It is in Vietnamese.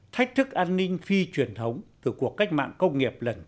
thách thức an ninh phi truyền thống từ cuộc cách mạng công nghiệp lần thứ